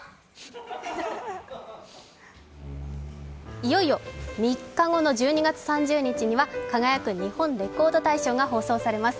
いよいよ３日後の１２月３０日には「輝く！日本レコード大賞」が放送されます。